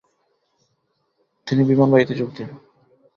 তিনি বিমানবাহিনীতে যোগ দেন।